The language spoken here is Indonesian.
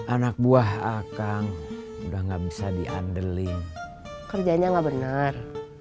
anak buah akang udah nggak bisa diandalkan kerjanya enggak benar